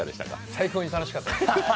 最高に楽しかったです